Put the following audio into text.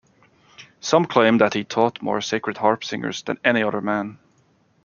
Some claim that he taught more Sacred Harp singers than any other man.